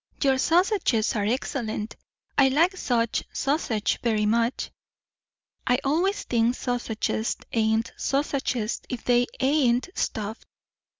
"Your sausages are excellent. I like such sausage very much." "I always think sausages ain't sausages if they ain't stuffed.